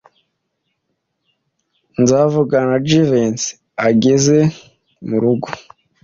Nzavugana na Jivency ageze murugo.